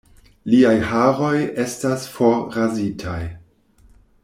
Liaj haroj estas forrazitaj.